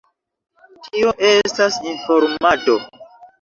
Tio estas informado.